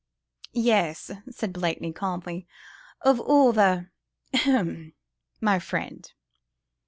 "Yes!" said Blakeney, calmly, "of all the ... hem! ... My friend!